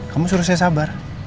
kamu suruh saya sabar